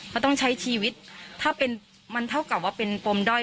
เขาต้องใช้ชีวิตถ้าเป็นมันเท่ากับว่าเป็นปมด้อย